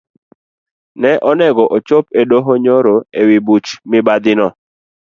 Ne onego ochop edoho nyoro ewi buch mibadhino.